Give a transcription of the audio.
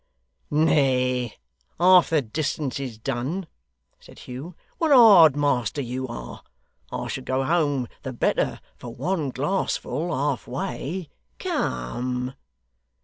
'Nay. Half the distance is done,' said Hugh. 'What a hard master you are! I shall go home the better for one glassful, halfway. Come!